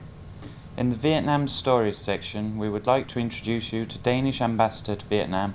trong tử mục chuyện việt nam ngày hôm nay chúng tôi xin giới thiệu tới quý vị những chia sẻ của đại sứ đan mạch tại việt nam